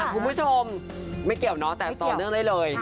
คุณผู้ชมไม่เกี่ยวเนอะแต่ต่อเนื่องได้เลย